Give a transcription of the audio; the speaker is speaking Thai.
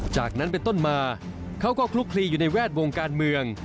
จากนั้นเป็นต้นมาเขาก็คลุกคลีอยู่ในแวดวงการเมือง